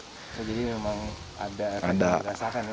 jadi memang ada kerasa kan